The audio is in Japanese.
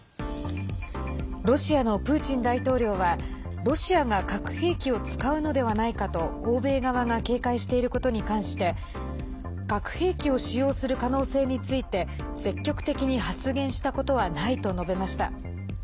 ロシアのプーチン大統領はロシアが核兵器を使うのではないかと欧米側が警戒していることに関して核兵器を使用する可能性について積極的に発言したことはないと述べました。